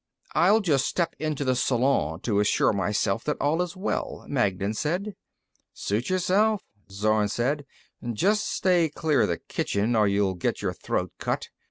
"I'll just step into the salon to assure myself that all is well," Magnan said. "Suit yourself," Zorn said. "Just stay clear of the kitchen, or you'll get your throat cut."